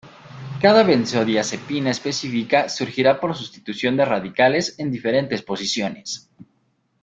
Cada benzodiazepina específica surgirá por sustitución de radicales en diferentes posiciones.